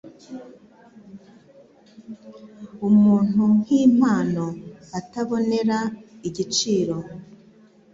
umuntu nki mpano utabonera igiciro.